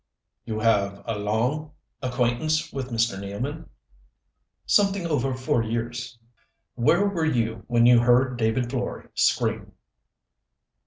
"You have a long acquaintance with Mr. Nealman?" "Something over four years." "Where were you when you heard David Florey scream?"